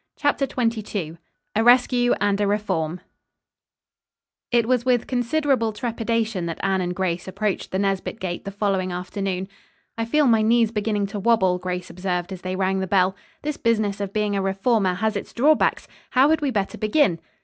CHAPTER XXII A RESCUE AND A REFORM It was with considerable trepidation that Anne and Grace approached the Nesbit gate the following afternoon. "I feel my knees beginning to wobble," Grace observed, as they rang the bell. "This business of being a reformer has its drawbacks. How had we better begin?"